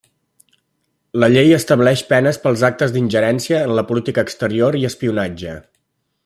La llei estableix penes pels actes d'ingerència en la política exterior i espionatge.